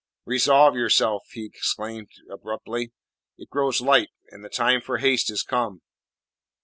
"Resolve yourself," he exclaimed abruptly. "It grows light, and the time for haste is come."